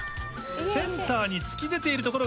センターに突き出ている所がある。